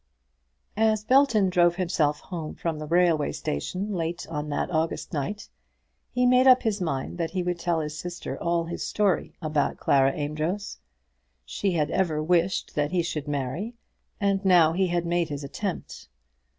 As Belton drove himself home from the railway station late on that August night, he made up his mind that he would tell his sister all his story about Clara Amedroz. She had ever wished that he should marry, and now he had made his attempt.